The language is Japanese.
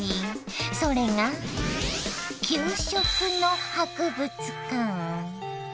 それが給食の博物館！